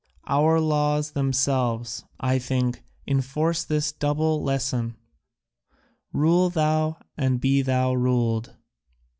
Our laws themselves, I think, enforce this double lesson: 'Rule thou and be thou ruled.'